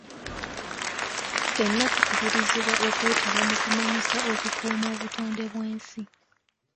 Ffenna tukubirizibwa okwetaba mu kumanyisa okukuuma obutonde bw'ensi.